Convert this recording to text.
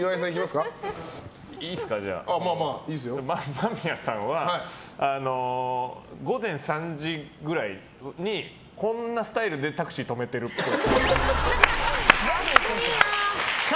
間宮さんは午前３時くらいにこんなスタイルでタクシー止めてるっぽい。